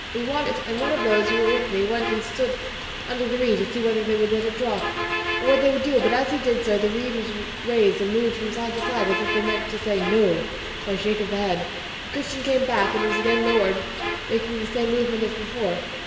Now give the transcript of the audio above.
We watched it, and one of those who were with me went and stood under the reed to see whether they would let it drop, or what they would do, but as he did so the reed was raised and moved from side to side, as if they meant to say "no" by a shake of the head. The Christian came back, and it was again lowered, making the same movements as before.